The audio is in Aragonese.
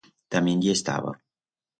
Tamién i estaba.